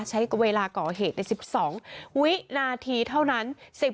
ใช้เวลาก่อเหตุใน๑๒วินาทีเท่านั้น